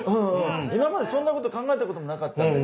今までそんなこと考えたこともなかったんだけど。